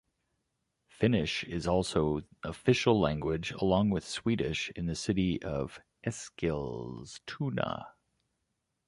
Finnish is also official language, along with Swedish, in the city of Eskilstuna.